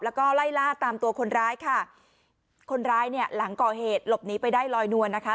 แล้วก็ไล่ล่าตามตัวคนร้ายค่ะคนร้ายเนี่ยหลังก่อเหตุหลบหนีไปได้ลอยนวลนะคะ